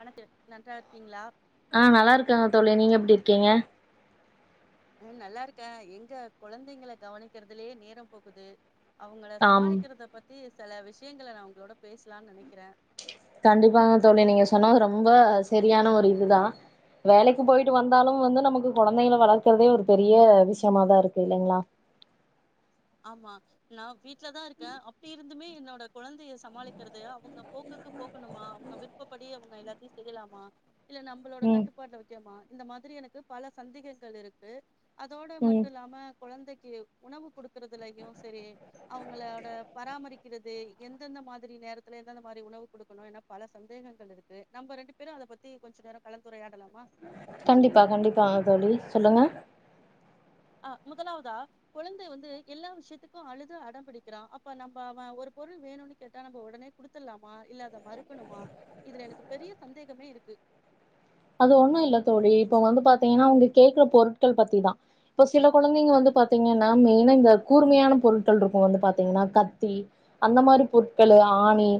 வணக்க நன்றா இருக்கீங்களா ஆ நல்லா இருக்கங்க தோழி நீங்க எப்டி இருக் க்கிங்க அஹ் நல்லா இருக்க எங்க கொழந்தைங்கள கவனிக்கிறதுலயே நேரம் போகுது அவங்கள ஆம் சமாளிக்கிறத பத்தி சில விஷயங்கள நா ஒங்களோட பேசலான் நெனைக்கிற கண்டிப்பாங்க தோழி நீங்க சொன்னது ரொம்ப செரியான ஒரு இதுதான் வேலைக்கு போயிட்டு வந்தாலும் வந்து நமக்கு கொழந்தைகள வளர்க்கறதே ஒரு பெரிய விஷயமாதான் இருக்கு இல்லைங்களா ஆமா நான் வீட்லதான் இருக்கேன் அப்பிடி இருந்துமே என்னோட குழந்தைய சமாளிக்கிறது அவுங்க போக்குக்கு போக்கணுமா அவுங்க விருப்பப்படி அவுங்க எல்லாத்தையும் செய்யலாமா இல்ல நம்பளோட ம் கட்டுப்பாட்டுல வெக்கனுமா இந்த மாதிரி எனக்கு பல சந்தேகங்கள் இருக்கு அதோட ம் மட்டு இல்லாம கொழந்தைக்கு உணவு குடுக் இருகறதுலையும் செரி அவுங்களோட பராமரிக்கிறது எந்தெந்த மாதிரி நேரத்துல எந்தெந்த மாதிரி உணவு குடுக்கணும் என பல சந்தேகங்கள் இருக்கு நம்ப ரெண்டு பேரும் அதை பத்தி கொஞ்ச நேரம் கலந்துரையாடலாம் கண்டிப்பா கண்டிப்பா ஆ தோழி சொல்லுங்க ஆ முதலாவதா குழந்தை வந்து எல்லா விஷயத்துக்கும் அழுத அடம் பிடிக்கிறான் அப்ப நம்ப அவன் ஒரு பொருள் வேணுன்னு கேட்டா நம்ப ஒடனே குடுத்துடலாமா இல்ல அத மறுக்கணுமா இதுல எனக்கு பெரிய சந்தேகமே இருக்கு அது ஒண்ணு இல்ல தோழி இப்ப வந்து பாத்தீங்கன்னா அவுங்க கேக்குற பொருட்கள் பத்திதான் இப்ப சில கொழந்தைங்க வந்து பாத்தீங்கன்னா மெயினா இந்த கூர்மையான பொருட்கள் இருக்கும் வந்து பாத்தீங்கன்னா கத்தி அந்த மாரி பொருட்கள் ஆணி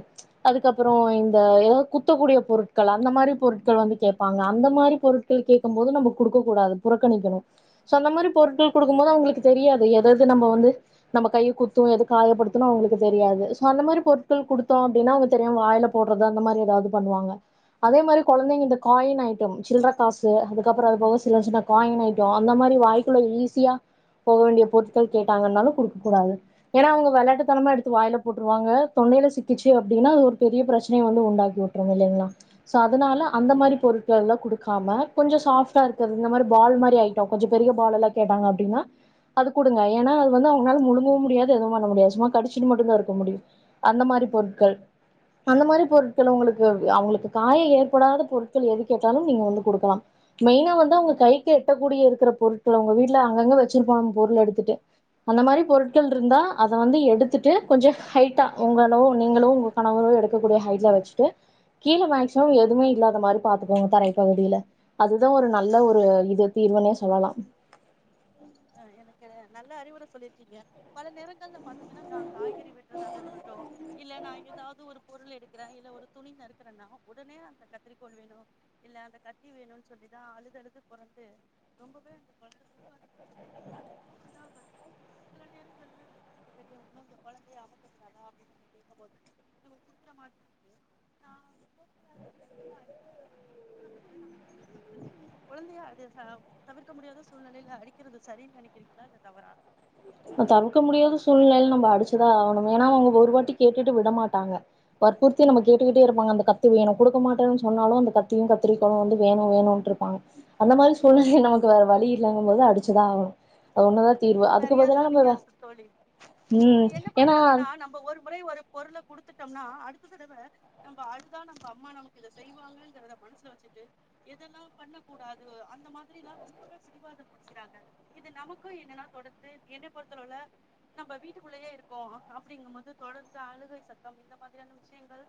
அதுக்கப்பறம் இந்த ஏதாவது குத்தக்கூடிய பொருட்கள் அந்த மாரி பொருட்கள் வந்து கே பாங்க அந்த மாரி பொருட்கள் கேக்கும்போது நம்ப குடுக்கூடாது புறக்கணிக்கணும் ஸோ அந்த மாரி பொருட்கள் குடுக்கும் போது அவுங்களுக்கு தெரியாது எது எது நம்ப வந்து நம்ம கையை குத்தும் எது காயப்படுத்தணும் அவுங்களுக்கு தெரியாது ஸோ அந்த மாரி பொருட்கள் குடுத்தோம் அப்டின்னா அவுங்க தெரியாம வாயில போடுறது அந்த மாரி ஏதாவது பண்ணுவாங்க அதே மாரி கொழந்தைங்கட்ட காயின் ஐட்டம் சில்ர காசு அதுக்கப்பறம் அது போக சின்ன சின்ன காயின் ஐட்டம் அந்த மாஈரி வாய்குள்ள ஈசியா போக வேண்டிய பொருட்கள் கேட்டாங்கன்னாலும் குடுக்கக் கூடாது ஏன்னா அவுங்க வெளையாட்டுத்தனமா எடுத்து வாயில போட்டுருவாங்க தொண்டையில சிக்கிச்சு அப்பிடின்னா அது ஒரு பெரிய பிரச்சனைைய வந்து உண்டாக்கி விட்டுரு இல்லைங்களா சோ அதனால அந்த மாரி பொருட்கல்லாம் குடுக்காம கொஞ்ச சாஃப்டா இருக்க இந்த மாரி பால் மாரி ஐட்டம் கொஞ்சம் பெரிய பால் எல்லாம் கேட்டாங்க அப்பிடின்னா அது குடுங்க ஏன்னா அது வந்து அவுங்களால முழுங்கவும் முடியாது எதுவும் பண்ண முடியாது சும்மா கடிச்சுட்டு மட்டும் தான் இருக்க முடியும் அந்த மாரி பொருட்கள் அந்த மாரி பொருட்கள் அவுங்களுக்கு அவுங்களுக்கு காய ஏற்படாத பொருட் பொருட்கள் எது கேட்டாலும் நீங்க குடுக்கலாம் மெய்னா வந்து கைக்கு எட்டக்கூடிய இருக்க பொருட்கள் உங்க வீட்ல அங்கங்க வச்சிருப்பாங்க பொருள் எடுத்துட்டு அந்த மாரி பொருட்கள் இருந்தா அத வந்து எடுத்துட்டு கொஞ்சம் ஹைட்டா உங்கலோ நீங்களோ உங்க கணவரோ எடுக்கக்கூடிய ஹைட்ல வச்சுட்டு கீழ மேக்சிமம் எதுமே இல்லாத மாரி பாத்துக்கோங்க தரைப்பகுதியில அதுதான் ஒரு நல்ல ஒரு இது தீர்வுன்னுஅ சொல்லலாம் ஆ எனக்கு நல்ல அறிவுரை சொல்லிருக்கீங்க பல நேரங்கள்ல பாத்தீங்கன்னா நான் காய்கறி விட்றதாக இருக்கட்டு இல்ல நாய் எதாவுது ஒரு பொருள்ள எடுக்குற இல்ல ஒரு துணி நறுக்குறேன்னா உடனே அந்த கத்திரிக்கோள் வேணு இல்ல அந்த கத்தி வேணு சொல்லிதா அழுது அழுது பொறன்டு ரொம்பவே அந்த [unintelligible] [unintelligible] கேட்கும்போது நம்ம குடுக்கற மாதிரி வருது. சில நேரங்கள்ல வீட்ல இருக்கிற பெரியவங்களும் இந்த குழந்தைய அடிச்சுட்டாளா அப்படின்னு கேட்கும்போது நம்ம குடுக்கற மாதிரி இருக்கு. நான் போகப் போக அதெல்லாம் அடிக்கிறது அப்படின்னு சொன்னோம்னா கூட நமக்கு ஏற்பட்டு விடுகிறது. குழந்தைய அடி தவிர்க்க முடியாத சூழ்நிலையில அடி க்கிறது சரின்னு நினைக்கிறீங்குளா இல்ல தவறா தவுக்க முடியாத சூழ்நிலையில நம்ப அடுச்சுதா ஆகணும் ஏன்னா அவங்க ஒரு வாட்டி கேட்டுட்டு விடமாட்டாங்க வற்புறுத்தி நம்ம கேட்டுக்கிட்டே இருப்பாங்க அந்த கத்தி வேணு கொடுக்க மாட்டேன்னு சொன்னாலு அந்த கத்தியு கத்திரிக்கோளு வந்து வேணு வேணும்று இருப்பாங்க அந்த மாரி சூழ்நிலை நமக்கு வேற வழி இல்லங்கும் போது அடுச்சுதா ஆகணு அது ஒண்ணுதா தீர்வா சரியா சொன்னீங்கஸ் தோழி ம் என்ன ஏன்னா பண்றாங்குன்னா நம்ம ஒரு முறை ஒரு பொருள குடுத்துட்டோம்னா அடுத்த தடவ நம்ம அழுதா நம்ம அம்மா நமக்கு இத செய்வாங்கங்க மனசுல வெச்சுட்டு எதெல்லா பண்ணக் கூடாது அந்த மாதிரிலாம் ரொம்பவே பிடிவாத பிடிக்கிறாங்க இது நமக்கு என்னனா தொடந்து என்ன பொறுத்துலல்ல நம்ப வீட்டுக்குள்ளேயே இருக்கோ அப்பிடிங்கும்போது தொடந்து அழுகை சத்தம் இந்த மாதிரியான விஷ்யிங்கள்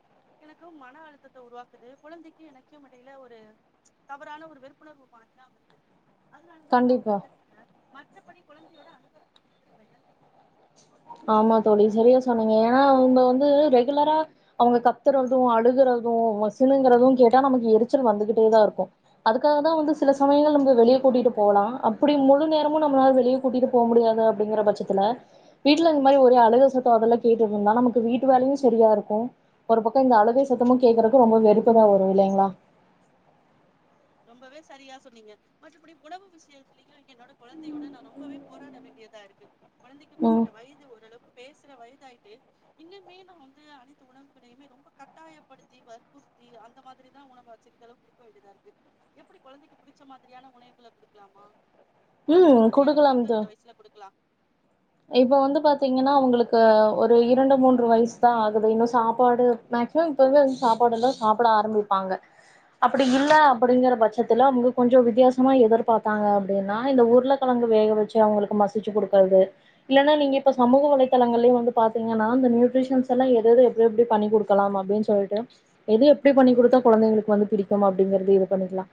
எனக்கு மன அழுத்தத்த உருவாக்குது கொழந்திக்கு எனக்கும் இடையில ஒரு தவறான ஒரு வெறுப்புணர்வு மாரிதா வருது அதனாலதா நா கண்டிப்பா உங்களுட்ட கேட்ட கொழந்தியோட [unintelligible] ஆம்மா தோழி செரியா சொன்னீங்க ஏன்னா அவுங்க வந்து ரெகுலரா அவுங்க கத்துறது அழுகுறது சினுங்குறது கேட்டா நமக்கு எரிச்சல் வந்துகிட்டேதா இருக்கு அதுக்காகதா வந்து சில சமயங்கள் நம்ப வெளிய கூட்டிட்டு போலா அப்டி முழு நேரமும் நம்முளால வெளியே கூட்டிட்டு போவ் முடியாது அப்பிடிங்கிற பட்சத்துல வீட்ல இந்த மாரி ஒரே அழக சத்தம் அதெல்லா கேட்டு இருந்தா நமக்கு வீட்டு வேலையு செரியா இருக்கும் ஒரு பக்கம் இந்த அழுகை சத்தமும் கேக்குறக்கு ரொம்ப வெறுப்புதா வரும் இல்லைங்களா ரொம்பவே சரியா சொன்னீங்க மற்றபடி உணவு விஷயத்தில்லிங்க என்னோட கொழந்தியோட நா ரொம்பவே போராட வேண்டியதா இருக்கு கொழந்திக்கு ம் குறிப்பிட்ட வயிது ஓரளவுக்கு பேசுற வயி த்தாயிக்கே இன்னுமேல் நா வந்து அனைத்து உணவுகளையுமே ரொம்ப கட்டாயப்படுத்தி வற்புறுத்தி அந்த மாதிரிதா உணவு அச்சிரிதளவு குடுக்க வேண்டியதாருக்கு எப்பிடி கொழந்திக்கு புடிச்ச மாதிரியான உணைவுகள குடுக்கலாமா எந்த ம் மாதிரியான குடுக்கலாம் தோழி உணவுகள் இந்த வயிசுல குடுக்குலா இப்ப வந்து பாத்தீங்குன்னா அவுங்களுக்கு ஒரு இரண்டு மூன்று வயிஸ் தா ஆகுது இன்னு சாப்பாடு மேக்சிமம் இப்பருந்து இந்த சாப்பாடு எல்லா சாப்புட ஆரம்பிப்பாங்க அப்டி இல்ல அப்பிடிங்கிற பச்சத்துல அவுங்க கொஞ்சோ வித்தியாசமா எதிர்பாப்பாங்க அப்டின்னா இந்த உருளக்கிழங்கு வேக வெச்சு அவுங்களுக்கு மசிச்சு குடுக்கறது இல்லன்னா நீங்க இப்ப சமூக வலைதளங்கல்லயே வந்து பாத்தீங்கன்னா இந்த நியூட்ரிஷன்ஸ் எல்லா எதது எப்டி எப்டி பண்ணி குடுக்கலாம் அப்டின் சொல்லிட்டு எது எப்டி பண்ணி குடுத்தா கொழந்தைங்களுக்கு வந்து பிடிக்கும் அப்டிங்கிறது இது பண்ணிக்குலா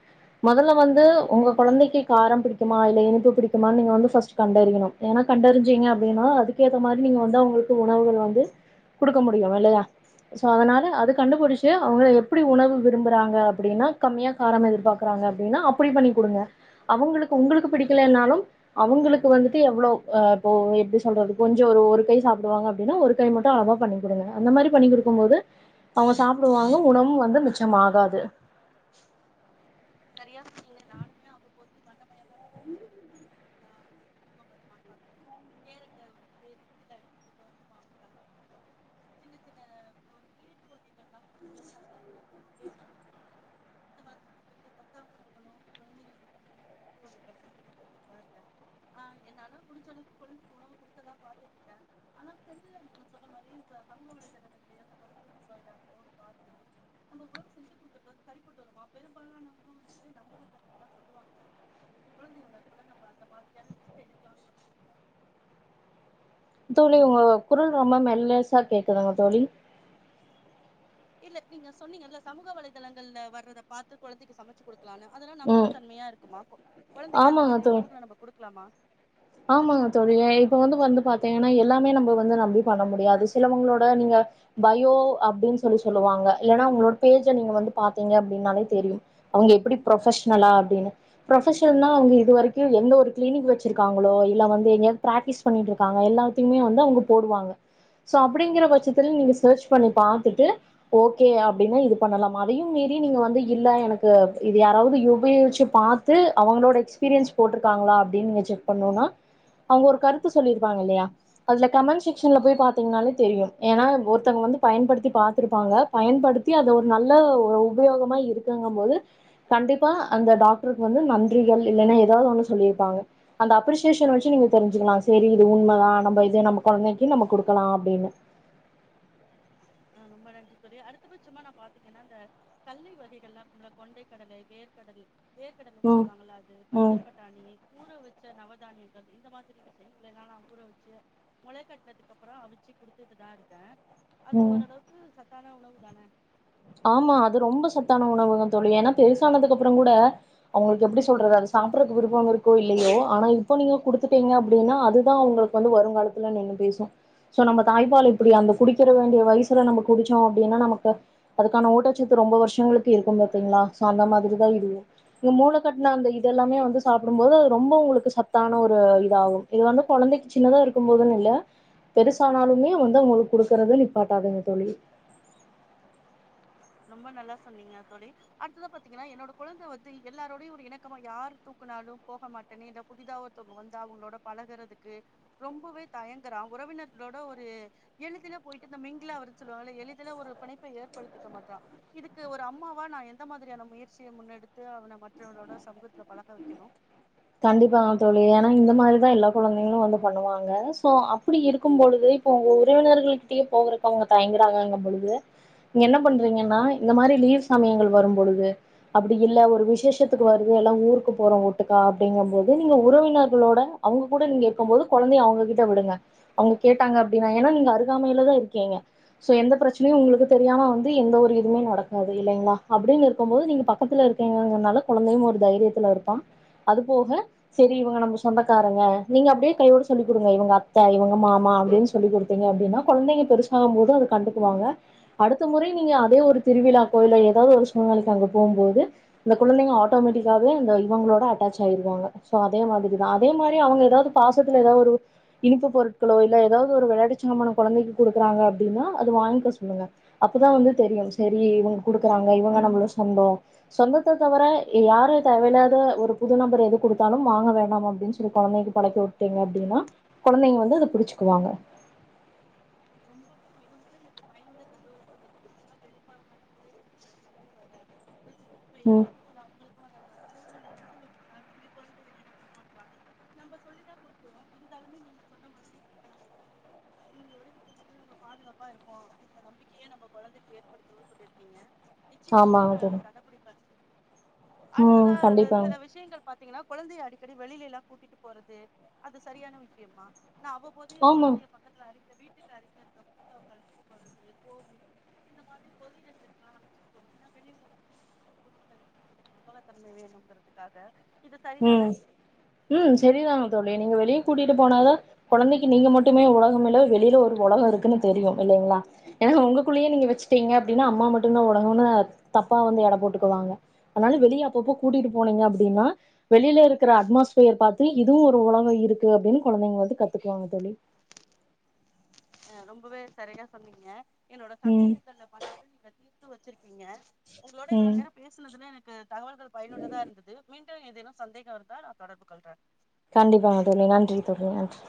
மொதல்ல வந்து உங்க கொழந்தைக்கு காரம் பிடிக்குமா இல்ல இனிப்பு பிடிக்குமான்னு நீங்க வந்து ஃபஸ்ட் கண்டறியணும் ஏனா கண்டறிஞ்சிங்க அப்டின்னா அதுக்கேத்த மாரி நீங்க வந்து அவுங்களுக்கு உணவுகள் வந்து குடுக்க முடியு இல்லையா சோ அதனால அது கண்டுபிடிச்சு அவுங்க எப்புடி உணவு விரும்புறாங்க அப்டின்னா கம்மியா காரமா எதிர்பார்க்குறாங்க அப்டின்னா அப்டி பண்ணி் குடுங்க அவுங்களுக்கு உங்குளுக் பிடிக்கலைனாலும் அவுங்களுக் வந்துட்டு எவ்ளோவ் அஹா போ எப்டி சொல்றது கொஞ்சோ ஒர் ஒரு கை சாப்புடுவாங்க அப்பிடின்னா ஒரு கை மட்டும் அழவா பண்ணி் குடுங்க அந்த மாரியி பண்ணி குடுக்கும்போது அவுங் சாப்புடுவாங்க உணவும் வந்து மிச்சமாகாது சரியா இங்க நானுமே நாம் [unintelligible] கேரட்டை வந்துட்டு மிக்சில அடிச்சுட்டு தோச மாவுல கலந்து சின்ன சின்ன [unintelligible] [unintelligible] அஹா என்னால முடுஞ்ச வரைக்கும் கொழந்திக்கு உணவு கொடுக்கதா பாத்துட்டு இருக்கே அனா [unintelligible] நீ சொன்ன மாரி [unintelligible] நம்ம உணவு செஞ்சு குடுக்குறது சரிபட்டு வருமா பெரும்பாலான [unintelligible] சொல்லுவாங்கா கொழந்தயோட [unintelligible] அந்த மாதிரியான ரிஸ்க் எடுக்கலாம்னு [unintelligible] தோழி உங்க குரல் ரொம்ப மெல்லியஸ்சா கேக்குதுங் தோழி இல்ல நீங்க சொன்னீங்கில்ல சமூக வலைதளங்கள்ல வர்றத பார்த்து கொழந்தைக் சமைச்சு குடுக் குல்லான்னு அதெல்லா ம் நம்பகத்தன்மையா இருக்குமா கொ கொழந்திக்கு அந்த ஆமாங்க மாதிரி தோழி உணவுகள நம்ம குடுக்குலாமா ஆமாங்க தொழி ஏ இப்ப வந்து வந்து பாத்தீங்கன்னா எல்லாமே நம்ப வந்து நம்பி பண்ண முடியாது சிலவங்களோட நீங்க பய்யோ அப்டின் சொல்லி சொல்லுவாங்க இல்லன்னா உங்களோட பேஜ்ஜ நீங்க வந்து பாத்தீங்க அப்பிடின்னாலே தெரியும் அவுங்க எப்டி ப்ரொபஷ்னலா அப்பிடின்னு ப்ரொபஷனல்னா அவுங்க இது வரைக்கு எந்த ஒரு கிளினிக் வெச்சுருக் க்காங்குலோ இல்ல வந்து எங்கியாவது ஃப்ராட்டிஸ் பண்ணிட்ருப்பாங்க எல்லாத்தியுமே வந்து அவுங்க போடுவாங்க சோ அப்டிங்கிற பட்சத்துல்ல நீங்க செர்ஷ்பண்ணி பாத்துட்டு ஓகே அப்டின்னா இது பண்ணுலாம் அதையும் மீறி நீங்கு இல்ல எனக்கு இத யாராவுது யுகேன்ஷ்ஷி பாத்து அவுங்களோட எக்ஸ்பீரியன்ஸ் போட்ருக்காங்குலா அப்டின் நீங் செக் பண்ணுனா அவங்க ஒரு கருத்து சொல்லிருப்பாங்க இல்லையா அதுல கமெண்ட் செக்ஷன்ல போய் பாத்தீங்கின்னாலே தெரியு ஏனா ஒருத்தங்க வந்து பயன்படுத்தி பாத்துருப்பாங்க பயன்படுத்தி அத ஒரு நல்ல ஒரு உபயோகமா இருக்கூங் போது கண்டிப்பா அந்த டாக்டருக்கு வந்து நன்றிகள் இல்லின்னா ஏதாவது ஒண்ணு சொல்லிருப்பங்க சொல்லியிருப்பாங்க அந்த அப்ரிசியேஷன் வெச்சு நீங்க தெரிஞ்சுக்குலாம் சரி இது உண்மதா நம்ம இது நம்ம கொழந்திக்கு நம்ம குடுக்கலாம் அப்டின்னு ஹ ரொம்ப நன்றி தோழி அடுத்தபட்சுமா நா பாத்தீங்கன்னா இந்த கல்லே வகைகள்ளா கொண்டை கடலை வேர்கடல் வேர்க் கடலன்னு ம் சொல்லுவாங்குளா அது பச்ச ம் பட்டாணி ஊற வெச் பச்ச நவதானிங்கள் இந்த மாதிரி விஷயங்கல்யெல்லா நா ஊற வெச்சு முளை கட்டினதுக்கு அப்புறோ அவிச்சு குடுத்துட்டுதா இருந்தே அது ம் ஓரளவுக்கு சத் த்தான உணவு தான ஆமா அது ரொம்ப சத்தான உணவகம் தோழி ஏனா பெருஸு ஆனாதுக் அப்பறோ கூட அவங்குளுக்கு எப்டி சொல்றது அது சாப்பறதுக்கு விருப்பம் இருக்கோ இல்லையோ ஆனா இப்ப நீங்க குடுத்துட்டீங்க அப்பிடின்னா அதுதா அவுங்களுக்கு வந்து வருங்காலத்துல நின்னு பேசும் சோ நம்ம தாய்ப்பால் இப்டி அந்த குடிக்கிற வேண்டிய வயிசுல நம்ம குடிச்சோ அப்டின்னா நமக்கு அதுக்கான ஊட்டச்சத்து ரொம்ப வருஷ்ஷங்குளுக்கு இருக்கும் பாத்தீங்குளா சோ அந்த மாதிரிதா இதுவும் இந் மூளக் கட்டுன்ன அந்த இத எல்லாமே வந்து சாப்புடும்போது அது ரொம்ப உங்குளுக்கு சத்தான ஒரு இதாகும் இது வந்து கொழந்திக்கு சின்னதா இருக்கும்போதுன்னுயில்ல பெருசானாலுமே வந்து அவுங்களுக்கு குடுக்குறது நிப்பாட்டாதிங்க தோழி ரொம்ப நல்லா சொன்னீங்க தோழி அடுத்ததா பாத்தீங்கன்னா என்னோட கொழந்த வந்து எல்லாரோடையும் ஒரு இணக்கமா யாரு தூக்குனாலும் போக மாட்டேன்னு இல் புதிதாக ஒருத்தவங்க வந்து அவுங்களோட பழகுறதுக்கு ரொம்பவே தயங்கறா உறவினர்களோட ஒரு எளிதுல போயிட்டு இந்த மிங்கலா ஆவற்துனு சொல்லுவாங்கல்ல எளிதுலா ஒரு பிணப்பை ஏற்படுத்தி இருக்க மாட்டான் இதுக்கு ஒரு அம்மாவா நான் எந்த மாதிரியான முயற்சிய முன்னெடுத்து அவன மற்றவனோட சமுகத்துல பழக வைக்கணு கண்டிப்பா தான் தோழி ஏன்னா இந்த மாதிரிதான் எல்லா குழந்தைங்களும் வந்து பண்ணுவாங்க சோ அப்பிடி இருக்கும் போது இப்ப உங்க உறவினர்கள் கிட்டயே போகறத்துக்கு அவுங்க தயங்கராங்கன்னு பொழுது நீங்க என்ன பண்றீங்கன்னா இந்த மாரி லீவ் சமயங்கள் வரும் பொழுது அப்பிடி இல்ல ஒரு விசேஷத்துக்கு வருது எல்லாம் ஊருக்கு போறோம் ஒட்டுக்கா அப்படிங்க போது நீங்க உறவினர்களோட அவங்க கூட நீங்க இருக்கு போது குழந்தையை அவங்க கிட்ட விடுங்க அவங்க கேட்டாங்க அப்படின்னா ஏன்னா நீங்க அருகாமையிலதா இருக்கீங்க சோ எந்த பிரச்சனையு உங்களுக்கு தெரியாம வந்து எந்த ஒரு இதுவுமே நடக்காது இல்லைங்களா அப்படின்னு இருக்கு போது நீங்க பக்கத்துல இருக்கங்கறனால குழந்தையு ஒரு தைரியத்துல இருப்பா அது போக சரி இவங்க நம்ம சொந்தக்காரங்க நீங்க அப்படியே கையோட சொல்லி கொடுங்க இவங்க அத்த இவங்க மாமா அப்படின்னு சொல்லி கொடுத்தீங்க அப்படின்னா குழந்தைங்க பெருசாகும் போது அத கண்டுக்குவாங்க அடுத்த முறை நீங்க அதே ஒரு திருவிழா கோயில் ஏதாவது ஒரு சூழ்நிலைக்கு அங்க போகும்போது அந்த குழந்தைங்க ஆட்டோமேட்டிக்காவே அந்த இவங்களோட அட்டாச் ஆயிருவாங்க சோ அதே மாதிரிதா அதே மாரி அவங்க எதாவது பாசத்துல ஏதாவது ஒரு இனிப்பு பொருட்களோ இல்ல ஏதாவது ஒரு விளையாட்டுச்சமானம் குழந்தைக்கு குடுக்கறாங்க அப்படின்னா அது வாங்க சொல்லுங்க அப்பதா வந்து தெரியும் சரிங்க குடுக்கறாங்க இவங்க நம்ம சொந்த சொந்தத்த தவிர யாரும் தேவயில்லாத ஒரு புது நபர் எது கொடுத்தாலும் வாங்க வேண்டா அப்படின்னு சொல்லி குழந்தைக்கு பழக்க விட்டீங்க அப்படின்னா குழந்தைங்க வந்து அத புடிச்சுக்குவாங்க ரொம்பவே மிக மிக எனக் பயனுள்ள தகவல் சொல்லியிருக்கீங்க என்ன பெரியபா ஒரே இத [inaudible] வர இப்ப ம் எனக்கும் அவங்களுக்கு வர இவங்க ரிஷான் சொல்லுறதுக்காகவே குழந்தைக என்னிடம் வர மாட்ராங்க நம்ம சொல்லி தா கொடுக்குறோம் இருந்தாலுமே நீங்க சொன்ன மாதிரி இவங்க ஒவ்வொரு [inaudible] இனிமே நம்ம பாதுகாப்பா இருப்போ அப்படிங்குற நம்பிக்கையா நம்ம குழந்தைக் ஏற்படுத்துவோ சொல்லி இருக்கீங்க நிச்சயமாவே ஆமாங்க நா அத தோழி கடபிடிப்பே ம் அடுத்ததா கண்டிப்பாங்க சில விஷயங்கள் பாத்தீங்கன்னா குழந்தைய அடி அடிக்கடி வெளியில எல்லா கூட்டிட்டு போறது அது சரியான விஷயமா நா அவ்வபோது எ ஆமா குழந்தையை பக்கத்துல அடி இந்த வீட்டுக்கு என்னா கரெக்டா இப்போ தூக்கம் வருது தூக்கம் வருது கோவில் இந்த மாதிரி பொது இடங்களுக்கு எல்லாம் அலசிட்டு போறது ஏன்னா வெளி உலகத்த பாத்த ஒரு இது வேணும் ஒரு நம்பக தன்மை வேணும்கறதுக்காக உம் உம் சரிதாங்க தோழி நீங்க வெளிய கூட்டிட்டு போனாத குழந்தை நீங்க மட்டுமே உலகமில்ல வெளியில ஒரு உலகம் இருக்குன்னு தெரியு இல்லைங்களா எனா உங்களுக்குள்ளேயே நீங்க வச்சுட்டீங்க அப்படின்னா அம்மா மட்டும்தா உலகம்னு தப்பா வந்து இட போட்டுக்குவாங்க அதனால வெளியே அப்பப்போ கூட்டிட்டு போனீங்க அப்படின்னா வெளியில இருக்கற அட்மாஸ்பியர் பார்த்து இதுவும் ஒரு உலக இருக்கு அப்படின்னு குழந்தைங்க வந்து கத்துக்குவாங்க தோழி ரொம்பவே சரியா சொன்னீங்க என்னோட ம் சந்தேகங்கள் பல உதவி படி வச்சியிறுப்பீங்க உங்களோட இவளோ ம் நேரம் பேசுனதுல எனக்கு உம் தகவல்கள் பயனுள்ளதா இருந்த மீண்டு ஏதேனு சந்தேக இருந்தா நா தொடர்பு கொள்றே கண்டிபா டொழி நன்றி தோழி நன்றி